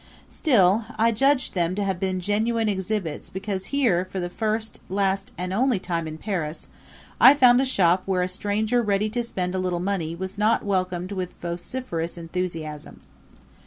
Still, I judged them to have been genuine exhibits because here, for the first, last and only time in Paris, I found a shop where a stranger ready to spend a little money was not welcomed with vociferous enthusiasm.